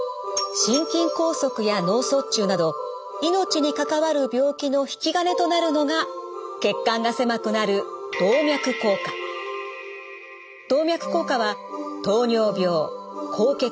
心筋梗塞や脳卒中など命に関わる病気の引き金となるのが血管が狭くなる動脈硬化はなどによって進行します。